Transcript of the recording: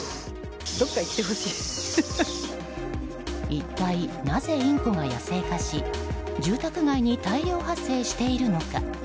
一体なぜインコが野生化し住宅街に大量発生しているのか。